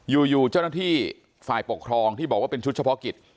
อยู่เจ้าหน้าที่ฝ่ายปกครองที่บอกว่าเป็นชุดเฉพาะกิจ